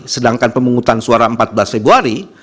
sedangkan pemungutan suara empat belas februari